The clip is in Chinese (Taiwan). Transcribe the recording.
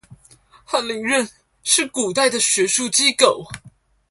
翰林院是古代的學術機構